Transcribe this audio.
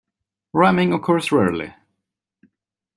Rhyming occurs rarely.